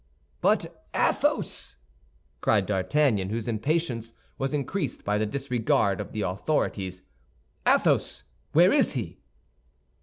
"But Athos!" cried D'Artagnan, whose impatience was increased by the disregard of the authorities, "Athos, where is he?"